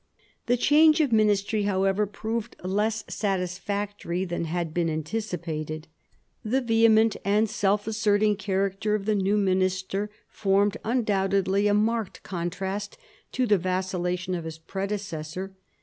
The change of ministry, however, proved less satisfactory than had been anticipated. The vehement and self asserting character of the new minister formed undoubtedly a marked contrast to the vacillation of his predecessor.